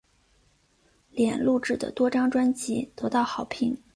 莲录制的多张专辑得到好评。